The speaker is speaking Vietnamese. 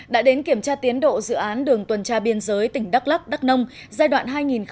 đã đến kiểm tra tiến độ dự án đường tuần tra biên giới tỉnh đắk lắc đắk nông giai đoạn hai nghìn một mươi sáu hai nghìn hai mươi